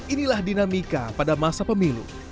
inilah dinamika pada masa pemilu